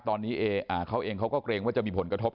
ตอนนี้เขาเองเขาก็เกรงว่าจะมีผลกระทบ